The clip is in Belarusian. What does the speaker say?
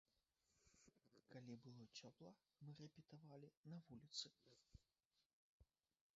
Калі было цёпла, мы рэпетавалі на вуліцы.